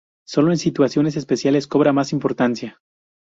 Sólo en situaciones especiales cobra más importancia.